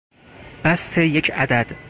بسط یک عدد